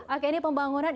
oke ini pembangunan